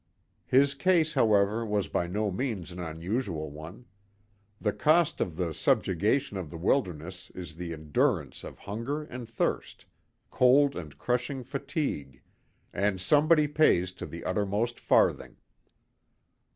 His case, however, was by no means an unusual one. The cost of the subjugation of the wilderness is the endurance of hunger and thirst, cold and crushing fatigue; and somebody pays to the uttermost farthing.